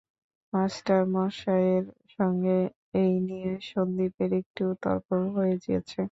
মাস্টারমশায়ের সঙ্গে এই নিয়ে সন্দীপের একটু তর্কও হয়ে গেছে।